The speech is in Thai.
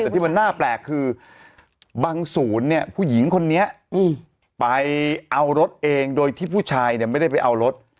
แต่ที่มันน่าแปลกคือบางศูนย์เนี่ยผู้หญิงคนนี้ไปเอารถเองโดยที่ผู้ชายเนี่ยไม่ได้ไปเอารถ